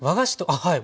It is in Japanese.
はい。